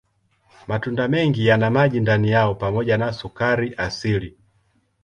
Matunda mengi yana maji ndani yao pamoja na sukari asilia.